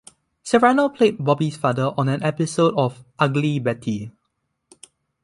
Serrano played Bobby's father on an episode of "Ugly Betty".